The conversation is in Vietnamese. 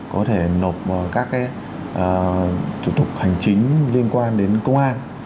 có thể nộp các thủ tục hành chính liên quan đến công an